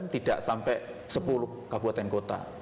tidak sampai sepuluh kabupaten kota